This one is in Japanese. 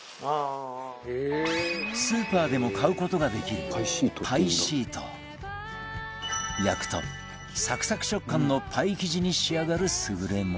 スーパーでも買う事ができる焼くとサクサク食感のパイ生地に仕上がる優れもの